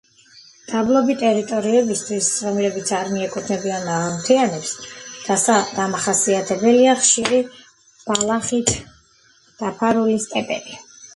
დაბლობი ტერიტორიებისთვის, რომლებიც არ მიეკუთვნებიან მაღალმთიანეთს, დამახასიათებელია ხშირი ბალახით დაფარული სტეპები.